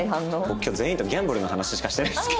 今日全員とギャンブルの話しかしてないんですけど。